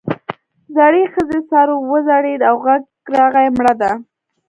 زړې ښځې سر وځړېد او غږ راغی مړه ده.